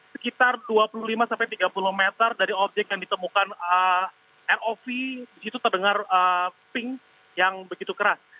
sekitar dua puluh lima sampai tiga puluh meter dari objek yang ditemukan rov disitu terdengar pink yang begitu keras